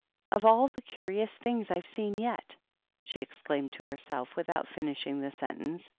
" Of all the curious things I've seen yet /" she exclaimed to herself, without finishing the sen tence.